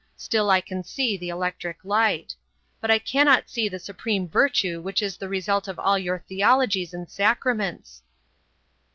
Still I can see the electric light. But I cannot see the supreme virtue which is the result of all your theologies and sacraments."